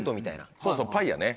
そうそうパイやね。